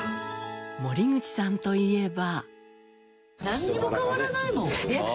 森口さんといえば。